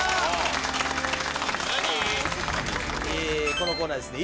このコーナーはですね